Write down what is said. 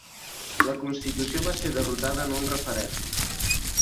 La constitució va ser derrotada en un referèndum.